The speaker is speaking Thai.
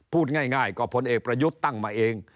พูดง่ายก็พลเอกประยุทธ์ตั้งมาเอง